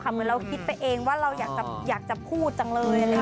เหมือนเราคิดไปเองว่าเราอยากจะพูดจังเลย